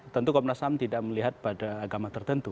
tentu komnas ham tidak melihat pada agama tertentu